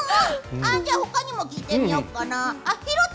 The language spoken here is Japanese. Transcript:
じゃあほかにも聞いてみようかな。